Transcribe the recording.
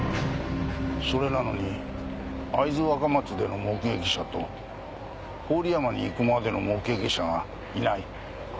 それなのに会津若松での目撃者と郡山に行くまでの目撃者がいない。